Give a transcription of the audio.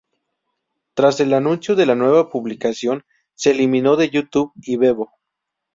Tras el anuncio de la nueva publicación, se eliminó de YouTube y Vevo.